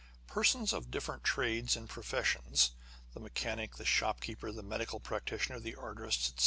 Persons of different trades and professions â€" the mechanic, the shopkeeper, the medical practitioner, the artist, &c.